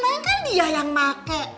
neng kan dia yang pake